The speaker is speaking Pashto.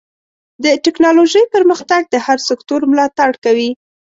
د ټکنالوجۍ پرمختګ د هر سکتور ملاتړ کوي.